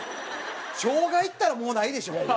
しょうがいったらもうないでしょ。